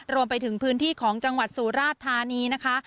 รวมไปถึงพื้นที่ของจังหวัดสุราชธานีนะคะ